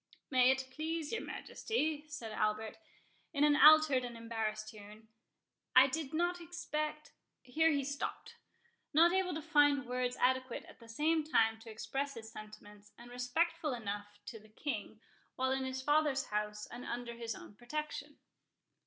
"May it please your Majesty," said Albert, in an altered and embarrassed tone, "I did not expect"— Here he stopped, not able to find words adequate at the same time to express his sentiments, and respectful enough to the King, while in his father's house, and under his own protection.